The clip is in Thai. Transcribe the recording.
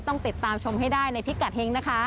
ต้องติดตามชมให้ได้ในพิกัดเฮงนะคะ